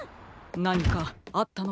なにかあったのですか？